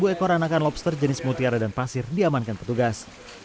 sembilan puluh tiga ekor anakan lobster jenis mutiara dan pasir diamankan petugas